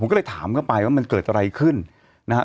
ก็เลยถามเข้าไปว่ามันเกิดอะไรขึ้นนะฮะ